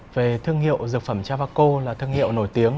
về thương hiệu dược phẩm chavaco là thương hiệu nổi tiếng